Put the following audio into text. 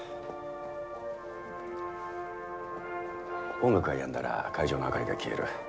音楽がやんだら会場の明かりが消える。